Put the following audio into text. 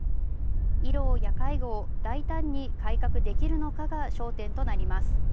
医療や介護を大胆に改革できるのかが焦点となります。